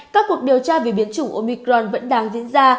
các cuộc điều tra về biến chủng omicron vẫn đang diễn ra